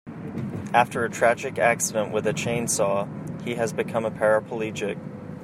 After a tragic accident with a chainsaw he has become a paraplegic.